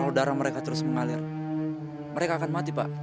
kalau darah mereka terus mengalir mereka akan mati pak